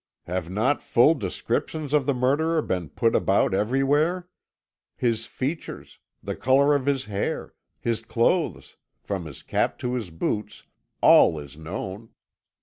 Have not full descriptions of the murderer been put about everywhere? His features, the colour of his hair, his clothes, from his cap to his boots all is known.